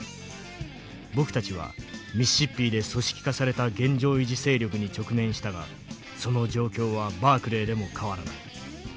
僕たちはミシシッピで組織化された現状維持勢力に直面したがその状況はバークレイでも変わらない。